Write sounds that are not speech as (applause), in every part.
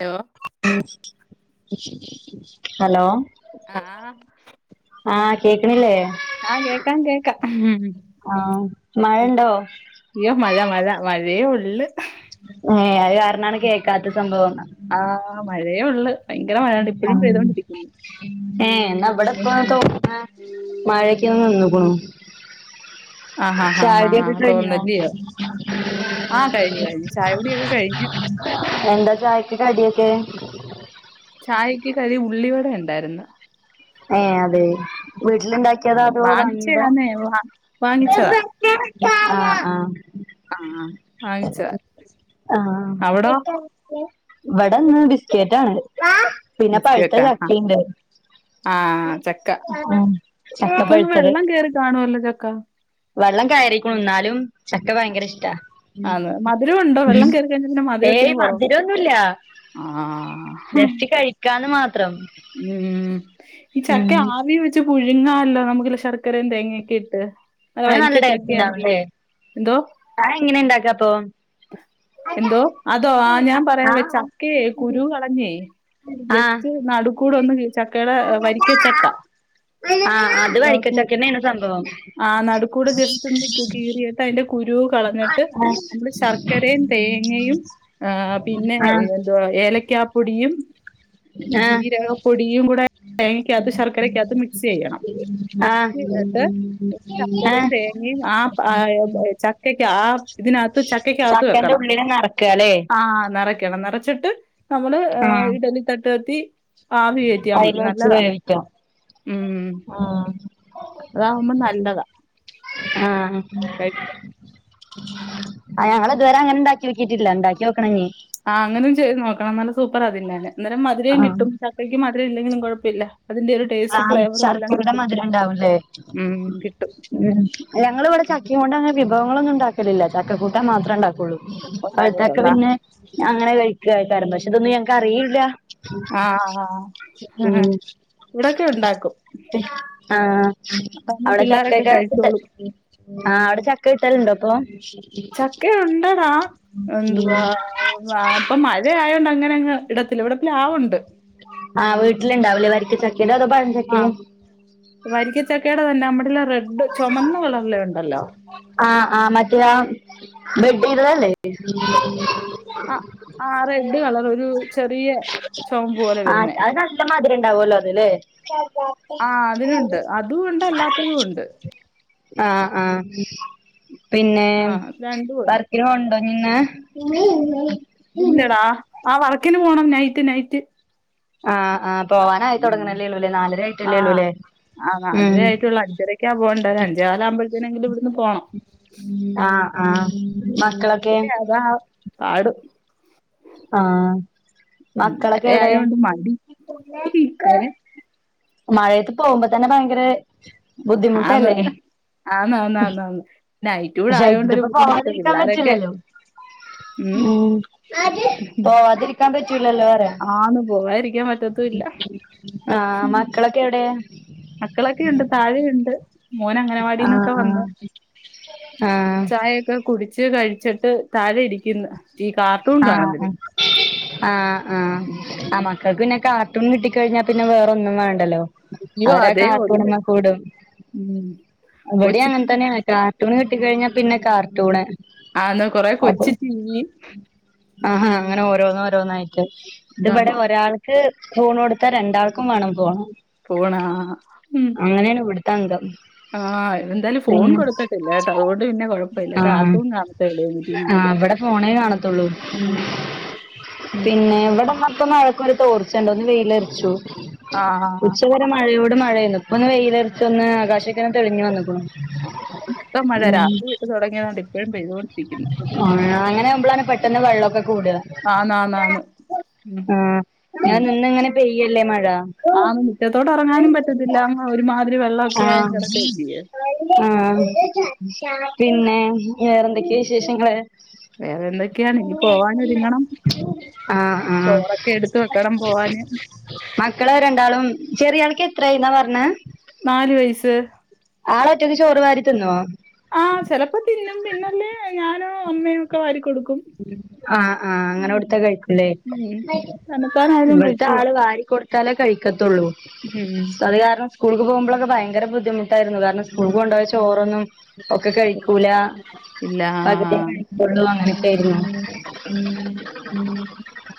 Hello. (unintelligible) Hello ആഹ്. ആഹ് കേൾക്കണില്ലേ? ആഹ്, കേക്കാം, കേക്കാം ഹും. ആഹ്, മഴയുണ്ടോ? അയ്യോ മഴ, മഴ മഴയേയുള്ളൂ. ഏഹ്, അതുകാരണാണ് കേൾക്കാത്തെസംഭവം. ആഹ്‌, മഴയേയുളളു. ആഹ്, ഏഹ്, എന്നാലിവിടെയിപോ ഉം തോർന്നു. മഴക്കെനിന്നുക്കുണു. ആഹ് ആഹ് ചായ ആഹ് കുടിയൊക്കെ ആഹ് കഴിഞ്ഞോ? തോർന്നല്ലിയോ ആഹ് കഴിഞ്ഞു കഴിഞ്ഞു ചായ കുടിയൊക്കെ കഴിഞ്ഞ് എന്താ ചായക്കു കടിയൊക്കെ? ചായയ്ക്ക് കടി ഉള്ളി വടയുണ്ടായിരുന്നു ഏഹ് അതെ ആഹ് വീട്ടിലിണ്ടാക്കിയതാ അതോ വാങ്ങിയതാ. വാങ്ങിച്ചയാന്നേ വാ വാങ്ങിച്ചതാ ആഹ് ആഹ് ആഹ് വാങ്ങിച്ചതാ ആഹ് അവിടോ ഇവടെന്ന് ബിസ്കേറ്റാണ് പിന്നെ പഴുത്ത ബിസ്കറ്റാ ആഹ് ചക്കീണ്ട് ആഹ് ചക്ക ചക്ക ഇപ്പങ്ങ് പഴുത്തത് വെള്ളം കേറി കാണുവല്ലോ ചക്ക വെള്ളം കയറീക്കുണു ഇന്നാലും ചക്ക ഭയങ്കര ഇഷ്ടാ ആന്ന് മധുരം ഉണ്ടോ വെള്ളം (unintelligible) കേറി കഴിഞ്ഞാ പിന്നെ ഏയ് മധുരത്തിന് കൊറവ് മധിരൊന്നുല്ല ആഹ് ജസ്റ്റ് കഴിക്കാന്ന് മാത്രം ഉം ഈ ചക്ക ഉം ആവീ വെ വച്ച് പുഴുങ്ങാല്ലോ നമുക്ക്ല്ല ശർക്കരയും തേങ്ങയൊക്കെ ഇട്ട് നല്ല അത് ടേസ്റ്റ് വരിക്കച്ചക്കയാണെങ്കി ഉണ്ടാവുംല്ലേ എന്തോ അത് എങ്ങനെ ഇണ്ടാക്കപ്പം എന്തോ അതോ ആഹ് ഞാൻ പറയാവെ ചക്കേ കുരു കള ഇല്ലേ ആഹ് ആഹ് ജസ്റ്റ് നടുക്കൂടെ ഒന്ന് വി ചക്കേടെ വരിക്ക ചക്ക ആഹ് അത് വരിക്കച്ചക്കെന്നേണ് സംഭവം ആഹ് നടുക്കൂടെ ജസ്റ്റ് ഒന്ന് കീറിയിട്ട് അയിന്റെ കുരു കളഞ്ഞിട്ട് നമ്മള് ശർ ശർക്കരയും തേങ്ങയും ഏഹ് പിന്നെ ആഹ് എന്തുവാ ഏലക്കാപ്പൊടിയും ആഹ് ഏലാ പൊടിയും കൂടെ തേങ്ങ ക്കകത്ത് ശർക്കരക്കകത്ത് മിക്സ് ചെയ്യണം ആഹ് എന്നിട്ട് ശർക്കരേം ആഹ് തേങ്ങേം ആ ആഹ് ച ക്കക്കാ ആ ഇതിനകത്ത് ചക്കക്കകത്ത് ചക്കന്റെ വെക്കണം ഉള്ളില് നറക്കാല്ലേ ആഹ് നെറ ക്കണം നിറച്ചിട്ട് നമ്മള് ഏഹ് ആഹ് ഇഡലി തട്ടകത്തി ആവി കേറ്റിയാ മതി അയില് വെച്ച് നല്ലതാ വേവിക്കാം ഉം ആഹ് അതാവുമ്പം നല്ലതാ ആഹ് (unintelligible) ആഹ് ഞങ്ങള് ഇതുവരെ അങ്ങനെ ഇണ്ടാക്യോക്കീട്ടില്ല ഇണ്ടാക്യോക്കണംഞ് ആഹ് അങ്ങനെം ചെയ്ത് നോക്കണം നല്ല സൂപ്പറാ തിന്നാന് അന്നേരം മധരേം കിട്ടും ചക്കക്ക് മധുരം ഇല്ലങ്കിലും കൊഴപ്പയില്ല അതിന്റെ ഒരു ആ ടേസ്റ്റ് ഫ്ലേവറും എല്ലാം ശർക്കരയുടെ കിട്ടും മധുരം ഉണ്ടാവുംല്ലേ ഉം കിട്ടും ഉം ഞങ്ങള് ഇവടെ ചക്കയും കൊണ്ട് അങ്ങനെ വിഭവങ്ങളൊന്നും ഇണ്ടാക്കലില്ല ചക്കക്കൂട്ടാൻ മാത്രേ ഇണ്ടാക്കോള്ളൂ പഴുത്തക്ക ഉണ്ടാക്കത്തുള്ളൂ പിന്നെ അങ്ങനെ കഴിക്കൊയിക്കാരം പക്ഷെ ഇതൊന്നും ഞങ്ങക്കറിയൂല്ല ആ ആ ആ ഉം ഇവിടൊക്കെ ഉണ്ടാക്കും ആഹ് അതാവുമ്പോ അവടെ പിള്ളേരൊക്കെ ചക്കൊക്കെ കഴിച്ചോളും (unintelligible) ആഹ് അവിടെ ചക്ക കിട്ടല്ണ്ടോ ഇപ്പൊ ചക്കയുണ്ടെടാ എന്തുവാ ഇപ്പം മഴ മഴയായോണ്ട് അങ്ങനെ അങ്ങ് ഇടത്തില്ല ഇവിടെ പ്ലാവൊണ്ട് ആഹ് വീട്ടില്ണ്ടാവുല്ലേ വരിക്ക ചക്കേ അതോ പഴം ചക്കയോ ആഹ് വരിക്ക ചക്കേടെ തന്നെ നമ്മടെല റെഡ് ചൊമന്ന കളറില്ണ്ടല്ലോ ആഹ് ആഹ് മറ്റയാ ഡഡ് (unintelligible) ആഹ് ആഹ് റെഡ് കളറ് ഒരു ചെറിയ ചോമപ് പോലെ ആഹ് വരുന്നേ അത് നല്ല മധിരം ഉണ്ടാവല്ലോ അത് ല്ലേ ആ അതിനുണ്ട് അതും ഉണ്ട് അല്ലാത്തതും ഉണ്ട് ആഹ് ആഹ് പിന്നേ ആ രണ്ടും വർ ഉണ്ട് ർക്നോവ്ണ്ടോ ഇഞ്ന്ന് ഇല്ലെടാ ആഹ് വർക്കിന് പോണം നൈറ്റ് നൈറ്റ് ആഹ് ആഹ് പോവാനായി ഉം തൊടങ്ങ്ണെല്ലേള്ളൂ അല്ലേ നാലര ആ ആയിട്ടല്ലേള്ളു അല്ലേ ആ നാലരായിട്ടൊള്ളൂ അഞ്ചരക്കാ പോവണ്ടേ ഒരഞ്ചേകാല് ആവുമ്പഴത്തേനെങ്കിലും ഇവിട്ന്ന് പോണം ആഹ് ആഹ് മക്കളൊക്കെ അതാ (unintelligible) ആഹ് മഴ മക്കളൊക്കെ എവിടെ ആയോണ്ട് മടി ഏ മഴയത്ത് പോകുമ്പോ തന്നെ ഭയങ്കര ആന്ന് ബുദ്ധിമുട്ടല്ലേ ആന്ന് ആന്നാന്നാന്ന് പക്ഷേ ഇപ്പൊ പോവാതിരിക്കാൻ പിള്ളാരൊക്കെ പറ്റില്ലല്ലോ ഉം പോവാതിരിക്കാൻ പറ്റൂലല്ലോ പറയാ ആന്ന് പോകാതിരിക്കാൻ പറ്റത്തുല്ല ആഹ് മക്കളൊക്കെ എവിടെ മക്കളൊക്കെ ഐണ്ട് താഴെ ഇണ്ട് മോൻ അങ്ങനവാടിന്നൊക്കെ ആഹ് വന്ന് ആഹ് ചായ ഒക്കെ കുടിച്ച് കഴിച്ചിട്ട് താഴെ ഇരിക്കുന്നു ആഹ് ആഹ് ആഹ് ആഹ് ഉം ആന്നാ കാക്ക് പിന്നെ കാർട്ടൂൺ കിട്ടിക്കഴിഞ്ഞാൽ പിന്നെ വേറൊന്നും വേണ്ടല്ലോ അയ്യോ അവരാ അതെ കാർട്ടൂൺ അങ്ങ് കൂടും ഉം ഇവിടേം കൊച്ചി അങ്ങനെ തന്നെയാ കാർട്ടൂണ് കിട്ടൂണ് കിട്ടി കഴിഞ്ഞാൽ പിന്നെ കാർട്ടൂണ് ആന്നോ കൊറെ അതെ കൊച്ച് ടീവി ആഹാ അങ്ങനെ ഓരോന്ന് ഓരോന്നായിട്ട് ഇതിവിടെ കാണും ഒരാള് ക്ക് ഫോണ് കൊടുത്താ രണ്ടാൾക്കും വേണം ഫോണ് ഫോണ് ആഹ് ആഹ് മ് അങ്ങനെയാണ് വിടുത്തെ അങ്കം ആഹ് എന്തായാലും ഫോൺ കൊടുക്കത്തില്ല കേട്ടോ അതുകൊണ്ട് പിന്നെ കൊഴപ്പില്ല ആഹ് കാർട്ടൂൺ കാണത്തെ ഒള്ളു ആഹ് ടിവിയില് ഇവിടെ ഫോണേ കാണത്തുള്ളൂ പിൻ ഉം പിന്നെ ഇവിടെ (unintelligible) തോർച്ചെണ്ട് വെയിലെറിച്ചു ആഹ് ഉച്ച മഴയോട് മഴയാന്നും ഇപ്പൊ ഒന്ന് വെയിലൊറച്ചൊന്ന് ആകാശിക്ക തെളിഞ്ഞു വന്ന്ക്കുണു ആഹ് ഉം ഇപ്പഴും പെയ്തുകൊണ്ടിരിക്കുന്നു ആ അങ്ങനെ (unintelligible) വെള്ളക്കെ കൂട ആന്ന് ആന്ന് ആന്ന് ഉം ആഹ് ഞാ നിന്നിങ്ങനെ പെയ്യല്ലേ മഴ ആഹ് മുറ്റത്തോട്ട് എറങ്ങാനും പറ്റത്തില്ല അങ്ങ് ഒരുമാതിരി വെള്ളൊക്കെ ആയി കിടക്കുവല്ലിയോ ആഹ് പിന്നെ വേറെന്തൊക്കെയാ വിശേഷങ്ങള് വേറെ എന്തൊക്കെയാണ് ഇനി അ പോവാനൊരുങ്ങണം ആഹ് ചോറൊക്കെ എടുത്ത് വെക്കണം പോവാന് ആഹ് മക്കള് രണ്ടാളും ചെറിയാൾക്ക് എത്രായിന്നാ പറഞ്ഞേ നാല് വയസ്സ് ആളൊറ്റക്ക് ചോറ് വാരി തിന്നോ ആഹ് ചെലപ്പോ തിന്നും പിന്നല്ലേ ഞാനും അമ്മയോ ഒക്കെ വാരി കൊടുക്കും ആഹ് ആഹ് അങ്ങനെ കൊടുത്ത കഴിക്കൂല്ലേ ഉം തന്നത്താനായാലും ഇവിട്ത്തെ കഴിച്ചോളും ആള് വാരി കൊടു ത്താലേ കഴിക്കത്തൊള്ളൂ ഉം അത് കാരണം സ്കൂൾക്ക് പോകുമ്പളൊക്കെ ഭയങ്കര ബുദ്ധിമുട്ടായിരുന്നു കാരണം സ്കൂൾ കൊണ്ടുപോയ ചോറൊന്നും ഒക്കെ കഴിക്കൂല ഇല്ല പകുതി കഴികുള്ളു അങ്ങനെ ക്കേരുന്നു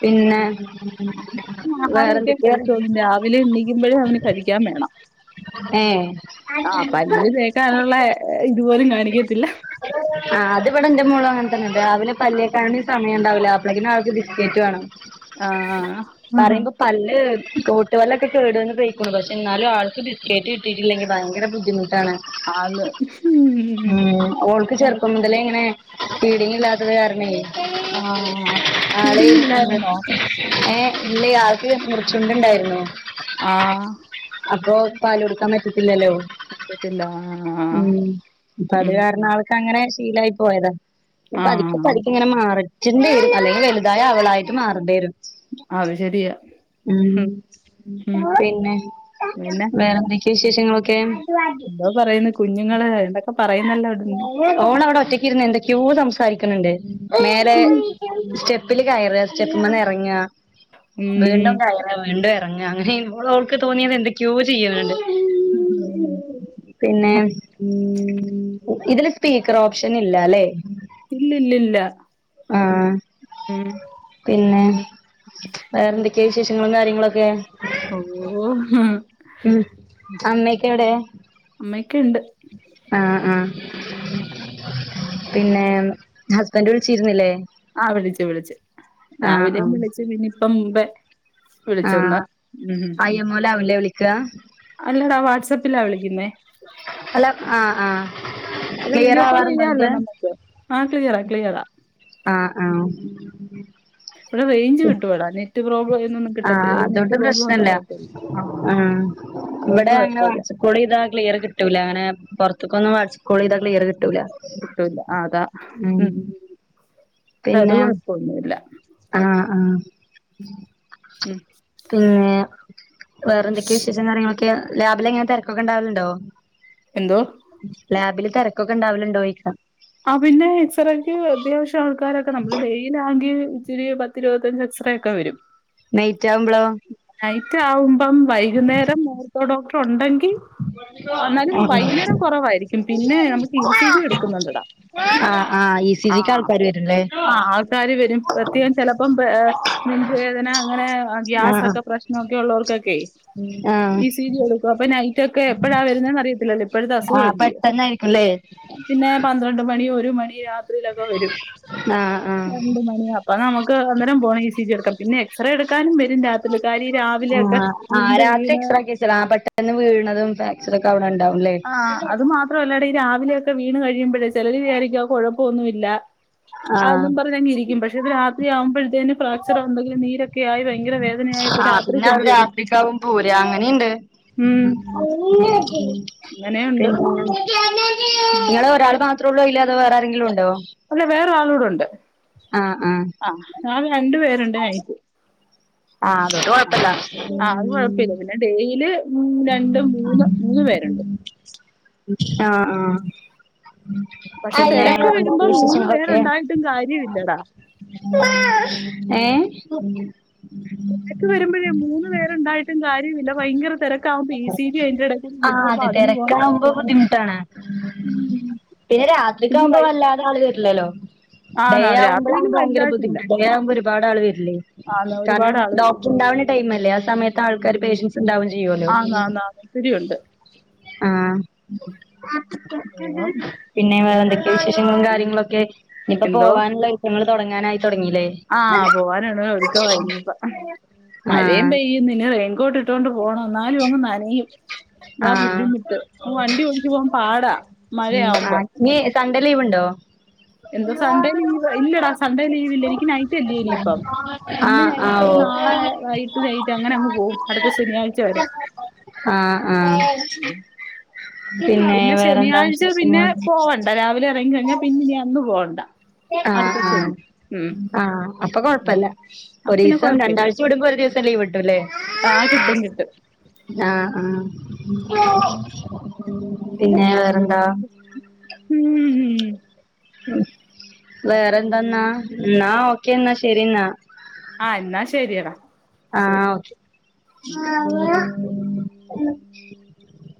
പിന്നെ ഉ ആഹാരം ഒക്കെ കഴിച്ചോളും രാവിലെ എണീക്കുമ്പഴേ അവന് കഴിക്കാൻ വേണം ഏഹ് ആഹ് പല്ല് തേക്കാനുള്ള ഇതുപോലും കാണിക്കത്തില്ല ആഹ് അത് ഇവടെ ഇന്റെ മോളും അങ്ങനെ തന്നെ രാവിലെ പല്ല തേക്കാനും കൂടി സമയണ്ടാവൂല്ല പ്പളെങ്കിലും ആൾക്ക് ബിസ്ക്കേറ്റ് വേണം ആഹ് ആഹ് പറയുമ്പോ പല്ല് കോട്ട് പല്ലൊക്കെ കേട്വന്ന് പോയിക്ക്ണു പക്ഷെ എന്നാലും ആൾക്ക് ബിസ്ക്കേറ്റ് കിട്ടിയിട്ടില്ലെങ്കിൽ ഭയങ്കര ബുദ്ധിമുട്ടാണ് ആന്ന് ഉം ഓൾക്ക് ചെറുപ്പം മുതലേ ഇങ്ങനെ ഫീഡിങ്ങില്ലാ ത്തത് കാരണേ ആഹ് ആള് ഫീഡിങ് എന്താ ഇല്ലായിരുന്നോ? ഏഹ് ഇല്ലേ ആൾക്ക് മുറിച്ചുണ്ട്ണ്ടായിരുന്നു ആഹ് അപ്പൊ പാല് കൊടുക്കാൻ പറ്റത്തില്ലല്ലോ പറ്റത്തില്ല ആഹ് ഉം അപ്പ അത് ഉം കാരണം ആൾക്കങ്ങനെ ശീലായി പോയതാ പതുക്കെ ആഹ് പതുക്കെ ഇങ്ങനെ മാറെറ്റ്ണ്ടേ അധികം വലുതായ അവളായിട്ട് മാറെണ്ടി വരും അത് ശെരിയാ ഉം ഉം പിന്നെ പിന്നെ വേറെന്തൊക്കെയാ വിശേഷങ്ങളൊക്കെ എന്തോ പറയുന്നു കുഞ്ഞുങ്ങള് എന്തൊക്കെ പറയുന്നല്ലോ അവിടുന്ന് ഓളവിടെ ഒറ്റക്ക് ഇരുന്ന് എന്തൊക്കെയോ സംസാരിക്ക്ണ് ണ്ട് മേലെ സ്റ്റെ പ്പില് കയറ സ്റ്റെപ്പ്മ്മെന്ന് എറങ്ങ ഉം വീണ്ടും കയ റാ വീണ്ടും എറങ്ങ അങ്ങനെ ഇനു മോള് ഓൾക്ക് തോന്നിയത് എന്തൊക്കെയോ ചെയ്യ്ണ്ട് പിന്നെ ഉം ഇതില് സ്പീക്കർ ഓപ്ഷൻ ഇല്ലാലേ ഇല്ല ഇല്ലി ഇല്ല ആഹ് പിന്നെ വേറെന്തൊക്കെയാ വിശേഷങ്ങളും കാര്യങ്ങളൊക്കെ ഓഹ് ഉം അമ്മയൊക്കെ എവിടെ അമ്മയെക്കെണ്ട് ആഹ് ആഹ് പിന്നേം ഹസ്ബന്റ് വിളിച്ചിരുന്നില്ലേ ആഹ് വിളിച്ച് വിളിച്ച് ആഹ് രാവിലെയും ആഹ് വിളിച്ചു പിന്നെയിപ്പം മുമ്പേ വിളിച്ചുന്നാ ഉം ഉം ഉം ഓൻ ലാവില്ലേ വിളിക്കാ അല്ലടാ വാട്സപ്പിലാ വിളിക്കുന്നേ ഹലോ ആഹ് ആഹ് അത് വീഡിയോ കോള് ചെയ്യാല്ലോ നമ്മുക്ക് ആഹ് ക്ലിയറാ ക്ലിയറാ ആഹ് ആഹ് ഇവിടെ റേഞ്ച് കിട്ടുവെട നെറ്റ് പ്രോബ്ലം എന്നെന്നും ആഹ് അതോണ്ട് പ്രശ്നല്ല ആ ആഹ് അതുകൊണ്ട് ഇവിടെ അങ്ങനെ കുഴപ്പമില്ല. വാട്സപ്പ് കോളെയ്ത ക്ലിയർ കിട്ടൂല അങ്ങനെ പൊറ്ത്ത്ക്കൊന്നും വാട്സപ്പ് കോളെയ്താ ക്ലിയർ കിട്ടൂല്ല കിട്ടൂല അതാ ഉം ഉം അത് കൊഴപ്പൊന്നുല്ല ആഹ് ആഹ് ഉം പിന്നെ വേറെ എന്തൊക്കെയാ വിശേഷം കാര്യങ്ങളൊക്കെ ലാബിലെങ്ങനെ തെരക്കൊക്കെ ഇണ്ടാവല്ണ്ടോ എന്തോ ലാബില് തെരക്കൊക്കെ ഇണ്ടാവലുണ്ടോയിക്ക ആഹ് പിന്നെ എക്സറേക്ക് അത്യാവശ്യം ആൾക്കാരൊക്കെ നമ്മള് ഡേയിലാണെങ്കി ഇച്ചിരി പത്തി ഇരുപത്തഞ്ച് എക്സ്റേ ഒക്കെ വരും (inaudible) നൈറ്റ് ആവുമ്പളോ നൈറ്റ് ആവുമ്പം വൈകുന്നേരം ഓർത്തോ ഡോക്ടർ ഉണ്ടെങ്കി എന്നാലും വൈകുന്നേരം കോറവായിരിക്കും പിന്നെ നമുക്ക് ഇ സി ജി എടുക്കുന്നുണ്ടടാ ആ ആ ഇ സി ജി ക്ക് ആൾക്കാര് വര്ണ് ആ ആൾക്കാര് വരും പ്രത്യേകം ചെലപ്പം പേ എ നെഞ്ച് വേദന അങ്ങനെ ഗ്യാസൊക്ക പ്രശ്നോക്കെ ഉള്ളോർക്കെ ക്കേ ആ ആ ഇ സി ജി എടുക്കും അപ്പൊ നൈറ്റ്ക്കെ എപ്പഴാ വരുന്നെന്ന് അറിയത്തില്ലല്ലോ ഇപ്പഴത്തെ അസുഖ അല്ലിയോ അല്ലേ പിന്നെ പന്ത്രണ്ട് മണി ഒരു മണി രാത്രിയിലൊക്ക വരും ആ ആ രണ്ട് മണി അപ്പൊ നമുക്ക് അന്നേരം പോണം ഇ സി ജി എടുക്കാം പിന്നെ എക്സറേ എടുക്കാനും വരും രാത്രില് കാര്യ ഈ രാവിലെയൊക്കെ ആ ഇരുണ്ട് രാത്രി വീണ് എക്സ്രക്കി വെച്ചതാ പെട്ടന്ന് വീണതും ഫെ എക്സ്ര ഒക്ക അവ്ട ഇണ്ടാവു ലെ ആ അത് മാത്രം അല്ലട ഈ രാവിലെയൊക്കെ വീണ് കഴിയുമ്പഴേ ചെലര് വിചാരിക്കും ആ കോഴപ്പന്നൂ ഇല്ല ആഹ് അതും പറഞ്ഞക്ക ഇരിക്കും പക്ഷെ ഇത് രാത്രി ആവുമ്പോഴത്തേന് ഫ്രാക്ച്ചർ എന്തെങ്കിലും നീരക്കെയായി ഭയങ്കര വേ ആ പിന്നെ അവര് രാത്രിക്കാവും പൊര അങ്ങനിണ്ട് ഉം അങ്ങനെയുണ്ട് പിന്നെ ഇങ്ങള് ഒരാള് മാത്രേ ഒള്ളു അയില് അതോ വേറെ ആരെങ്കിലും ഉണ്ടോ അല്ല വേറ ആളുടൊണ്ട് ആ ആ ആ ഞങ്ങള് രണ്ട് പേരുണ്ട് നൈറ്റ്‌ ആ അതുകൊണ്ട് കൊഴപ്പല്ല ഉം എടയില് രണ്ടും മൂന്ന് മൂന്ന് പേരുണ്ട് ആ ആ പക്ഷെ പിന്നെ വേറെ തിരക്ക് എന്തൊക്കെ വരുമ്പോ മൂന്ന് വിശേഷങ്ങളൊക്കെ പേരുണ്ടായിട്ടും കാര്യമില്ലടാ. ഏ തെരക്ക് വരുമ്പഴേ മൂന്ന് പേരുണ്ടായിട്ടും കാര്യമില്ല ഭയങ്കര തെര ക്കാവുമ്പ ഇ സി ജി അതിന്റെ എടക്ക്‌ ആഹ് വിളിക്കും അപ്പ അതെ അതിനും പോണം തിരക്കാവുമ്പോ എക്സറേ ബുദ്ധിമുട്ടാണ് ഉം പിന്നെ രാത്രിക്ക പിന്നെ ആവുമ്പ വൈ വല്ലാത ആള് വര്ല്ലലോ ഡേ ആന്നാന്ന് ആവുമ്പഴാ രാത്രിയില് ഭയങ്കര വലുതായിട്ടില്ല. ബുദ്ധിമുട്ട് ഡേ ആവുമ്പ ഒരുപാട് ആള് വര്ല്ലേ ആന്ന് കാരണം ഒരുപാട് ആള് വരും. ഡോക്ടർ ഇണ്ടാവ്ണ ടൈമല്ലേ ആ സമയത്ത് ആൾക്കാര് പേഷ്യൻസ് ഇണ്ടാവും ചെയ്യുവല്ലോ ആന്നാന്നാന്ന് ഒത്തിരിയുണ്ട്. ആ ഉം. പിന്നെ വേറെ എന്തേക്കെ വിശേഷങ്ങളും കാര്യങ്ങളൊക്കെ ഇഞ്ഞിപ്പ എന്തോ പോവാനുള്ള ഒരുക്കങ്ങള് തൊടങ്ങാനായി തോട്ങ്ങിലെ ആ പോവാന്ള്ള ഒരുക്കമായി ഇഞ്ഞിപ്പ മഴയും ആ പെയ്യുന്ന്‌ ഇനി റെയിൻകോട്ട് ഇട്ടോണ്ട് പോണം ന്നാലും അങ്ങ് നനയും ഇതാ ആ ബുദ്ധിമുട്ട് വണ്ടി ഓടിച്ചു പോവാം പാടാ മഴയാവുമ്പം ഇഞ്ഞി സൺഡേ ലീവ് ഇണ്ടോ എന്തോ സൺഡേ ലീവ് ഇല്ലടാ സൺഡേ ലീവ് ഇല്ല എനിക്ക് നൈറ്റല്ലേ ഇനിയിപ്പം ഇന്ന് ആഹ് നൈ ആഹ് നൈറ്റ് ഓ നാളെ വൈട്ട് നൈറ്റ് അങ്ങന അങ്ങ് പോവും അടുത്ത ശനിയാഴ് ആ ആ പിന്നെ ശനി ആഴ്ച പിന്നെ പോവണ്ട രാവിലെ എറങ്ങി കഴിഞ്ഞാ പിന്നെ ഇനി അന്ന് പോണ്ട ആ ആ ആ അപ്പ കൊഴപ്പല്ല അപ്പൊ പിന്നെ ഒരീസം കുഴപ്പമില്ല രണ്ടാഴ് കൂടുമ്പോ ഒരു ദിവസം ലീവ് കിട്ടു ല്ലേ ആ കിട്ടും കിട്ടും ആ ആ പിന്നെ വേറന്താ ഹും വേറെന്താന്നാ ന്നാ ഓക്കേന്നാ ശെരിന്നാ ആഹ് എന്നാ ശെരിയടാ ശെരി ആഹ് (unintelligible)